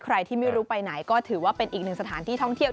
ใครที่ไม่รู้ไปไหนก็ถือว่าเป็นอีกหนึ่งสถานที่ท่องเที่ยว